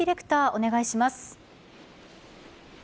お願いします。